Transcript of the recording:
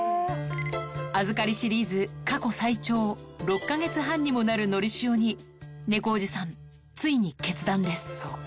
預かりシリーズ過去最長６か月半にもなるのりしおに、猫おじさん、ついに決断です。